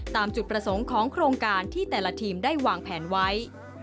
ตามจุดประสงค์ของโครงการที่แต่ละทีมได้วางแผนไว้